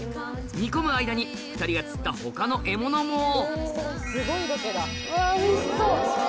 煮込む間に２人が釣った他の獲物もわおいしそう！